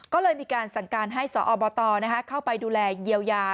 ก็เลยมีการสั่งการให้สอบตเข้าไปดูแลเยียวยา